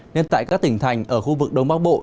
nên tại các tỉnh thành ở khu vực đông bắc bộ